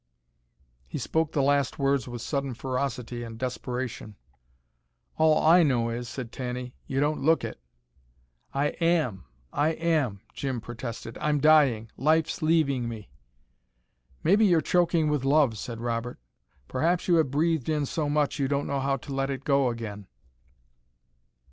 He spoke the last words with sudden ferocity and desperation. "All I know is," said Tanny, "you don't look it." "I AM. I am." Jim protested. "I'm dying. Life's leaving me." "Maybe you're choking with love," said Robert. "Perhaps you have breathed in so much, you don't know how to let it go again.